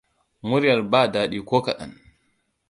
Muryar ba daɗi ko kaɗan.